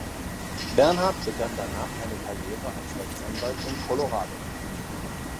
Bernhardt begann danach eine Karriere als Rechtsanwalt in Colorado.